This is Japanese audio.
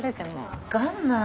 わかんない。